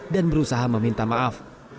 dan berusaha meminta maaf